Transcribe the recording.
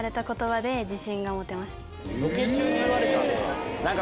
ロケ中に言われたんか。